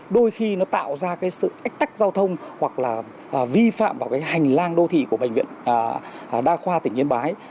đôi khi nó tạo ra sự ách tách giao thông hoặc là vi phạm vào hành lang đô thị của bệnh viện đa khoa tỉnh yên bái